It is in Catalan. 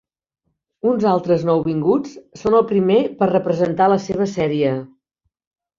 Uns altres nouvinguts són el primer per representar la seva sèrie.